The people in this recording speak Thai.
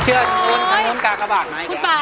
เชื่อถึงคำนวนคาเบียบกระบันนี้นะครับ